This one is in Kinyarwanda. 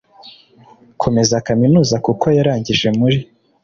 Komeza kaminuza kuko yarangije muri